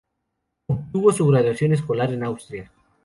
Obtuvo su graduación escolar en Austria.